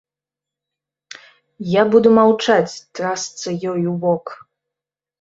Я буду маўчаць, трасца ёй у бок!